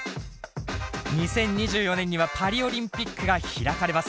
２０２４年にはパリオリンピックが開かれます。